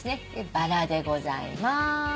バラでございまーす。